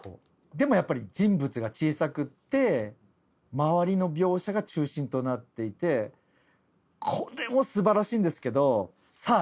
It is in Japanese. でもやっぱり人物が小さくて周りの描写が中心となっていてこれもすばらしいんですけどさあ